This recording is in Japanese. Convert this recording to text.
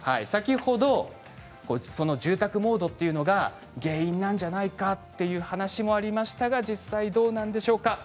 先ほど住宅モードというのが原因なんじゃないかという話もありましたが実際どうなんでしょうか。